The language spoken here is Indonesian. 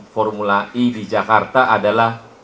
formula i jakarta adalah